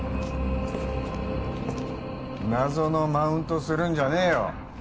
謎のマウントするんじゃねえよ